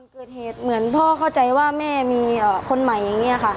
เกิดเหตุเหมือนพ่อเข้าใจว่าแม่มีคนใหม่อย่างนี้ค่ะ